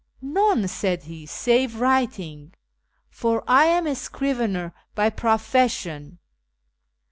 * None,' said he, ' save writing ; for I am a scrivener by pro fession.'